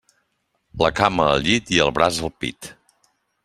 La cama al llit i el braç al pit.